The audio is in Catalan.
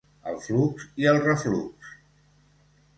El flux i el reflux.